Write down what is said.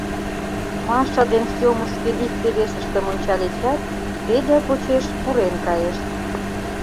Маша ден Сёмушкин икте-весыштым ончальычат, Федя почеш пурен кайышт.